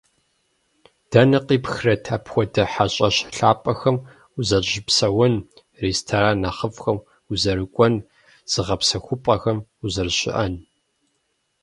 Дэнэ къипхрэт апхуэдэ хьэщӀэщ лъапӀэхэм узэрыщыпсэун, ресторан нэхъыфӀхэм узэрыкӀуэн, зыгъэпсэхупӀэхэм узэрыщыӀэн?